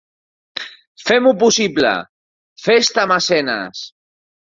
Fem-ho possible, fes-te mecenes!